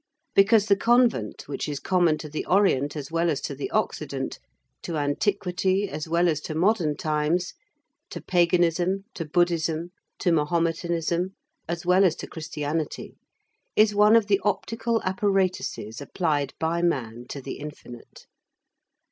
Because the convent, which is common to the Orient as well as to the Occident, to antiquity as well as to modern times, to paganism, to Buddhism, to Mahometanism, as well as to Christianity, is one of the optical apparatuses applied by man to the Infinite.